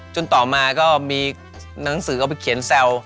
ต่อมาก็มีหนังสือเอาไปเขียนแซว